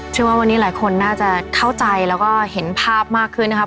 ว่าวันนี้หลายคนน่าจะเข้าใจแล้วก็เห็นภาพมากขึ้นนะครับ